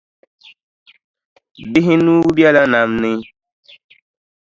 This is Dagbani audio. Bihi nuu bela nam ni.